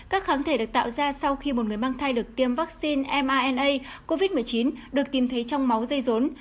các kháng thể được tạo ra sau khi một người mang thai được tiêm vắc xin mrna covid một mươi chín được tìm thấy trong máu dây rốn